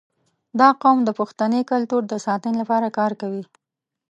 • دا قوم د پښتني کلتور د ساتنې لپاره کار کوي.